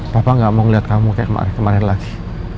papa ga mau liat kamu kayak kemarin kemarin lagi